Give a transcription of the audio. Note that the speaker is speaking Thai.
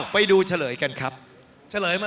ไปดูเฉลยกันนะคะ